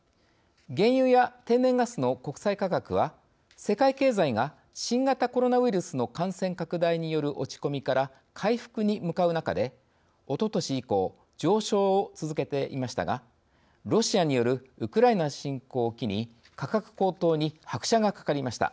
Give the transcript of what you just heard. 原油や天然ガスの国際価格は世界経済が新型コロナウイルスの感染拡大による落ち込みから回復に向かう中でおととし以降上昇を続けていましたがロシアによるウクライナ侵攻を機に価格高騰に拍車がかかりました。